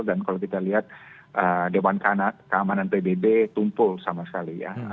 dan kalau kita lihat dewan kanat keamanan pbb tumpul sama sekali ya